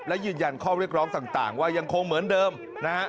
มีการข้อเรียกร้องต่างว่ายังคงเหมือนเดิมนะฮะ